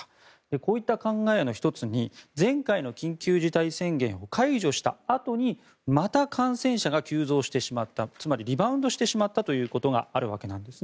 こういった考えの１つに前回の緊急事態宣言を解除したあとにまた感染者が急増してしまったつまりリバウンドしてしまったということがあるわけなんです。